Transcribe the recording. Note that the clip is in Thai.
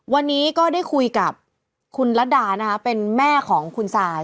วันนี้ก็ได้คุยกับคุณรัฐดานะคะเป็นแม่ของคุณซาย